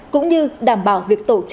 cũng như đảm bảo việc trả lời cho các bạn